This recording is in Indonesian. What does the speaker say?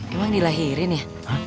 emang dilahirin ya